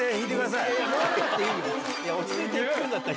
落ち着いて弾くんだったら